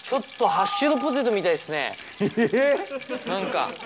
ハッシュドポテトみたい？